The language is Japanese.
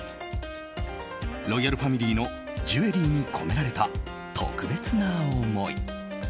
ロイヤルファミリーのジュエリーに込められた特別な思い。